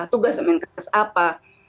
tugas kementes apa